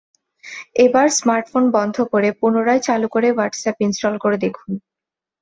এবার স্মার্টফোন বন্ধ করে পুনরায় চালু করে হোয়াটসঅ্যাপ ইনস্টল করে দেখুন।